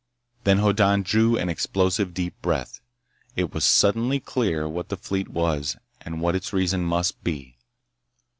Then Hoddan drew an explosive deep breath. It was suddenly clear what the fleet was and what its reason must be.